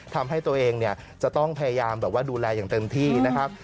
ทำให้ตัวเองจะต้องพยายามแบบว่าดูแลอย่างเต็มที่นะครับ